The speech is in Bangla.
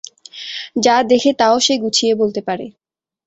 যা দেখে তাও সে গুছিয়ে বলতে পারে।